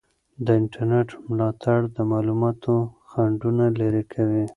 د انټرنیټ ملاتړ د معلوماتو خنډونه لرې کوي.